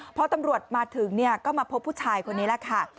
พอตำรวจมาถึงก็มาพบผู้ชายคนนี้แหละค่ะ